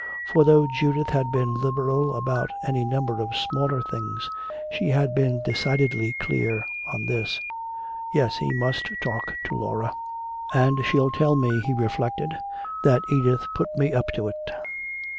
For though Judith had been liberal about any number of smaller things, she had been decidedly clear on this. Yes, he must talk to Laura. "And she'll tell me," he reflected, "that Edith put me up to it!"